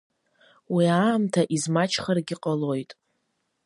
Уи аамҭа измаҷхаргьы ҟалоит.